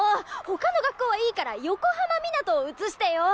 ほかの学校はいいから横浜湊を映してよ！